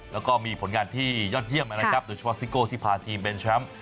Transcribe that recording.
แล้วก็มีผลงานที่ยอดเยี่ยมนะครับโดยเฉพาะซิโก้ที่พาทีมเป็นแชมป์